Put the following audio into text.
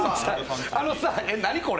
あのさ、え、何これ？